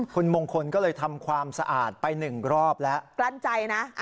คุณมงคลก็เลยทำความสะอาดไปหนึ่งรอบแล้วกลั้นใจนะ